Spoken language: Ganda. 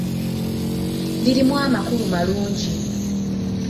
Lirimu amakulu malungi.